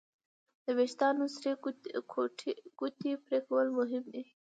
د وېښتیانو سرې ګوتې پرېکول مهم دي.